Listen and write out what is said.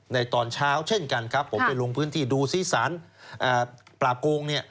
ตอนเช้าเช่นกันครับผมไปลงพื้นที่ดูซิสารปราบโกงเนี่ย